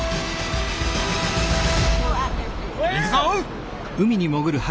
行くぞ！